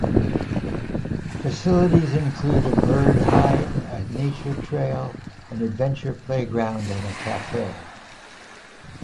Facilities include a bird hide, a nature trail, an adventure playground and a cafe.